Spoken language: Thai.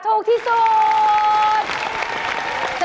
อยากตอบเลยไหม